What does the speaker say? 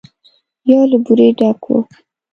يو له بورې ډک و.